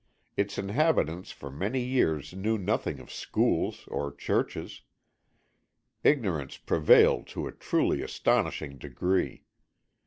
Its inhabitants for many years knew nothing of schools, or churches. Ignorance prevailed to a truly astonishing degree.